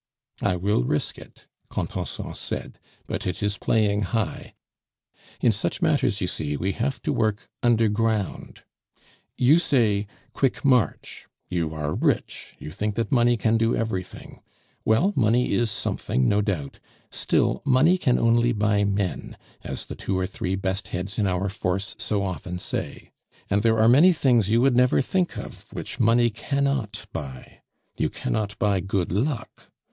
"I will risk it," Contenson said, "but it is playing high. In such matters, you see, we have to work underground. You say, 'Quick march!' You are rich; you think that money can do everything. Well, money is something, no doubt. Still, money can only buy men, as the two or three best heads in our force so often say. And there are many things you would never think of which money cannot buy. You cannot buy good luck.